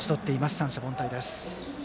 三者凡退です。